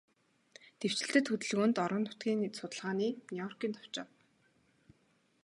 Дэвшилтэт хөдөлгөөнд, орон нутгийн судалгааны Нью-Йоркийн товчоо